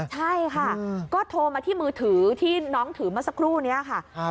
ใช่ค่ะก็โทรมาที่มือถือที่น้องถือเมื่อสักครู่นี้ค่ะ